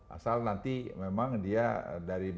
asal nanti memang dia dari